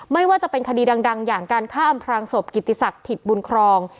ไม่ว่าจะเป็นคดีดังอย่างการฆ่าอำพรางศพกิติศักดิ์ถิตบุญครอง